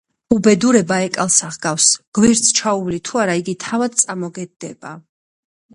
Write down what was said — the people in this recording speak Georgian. უბედურება ეკალსა ჰგავს, გვერდს ჩაუვლი თუ არა, იგი თავად წამოგედება,